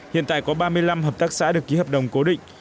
hiện tại có ba mươi năm hợp tác xã được ký hợp đồng cố định